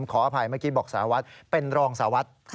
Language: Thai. ขออภัยเมื่อกี้บอกสารวัตรเป็นรองสารวัตร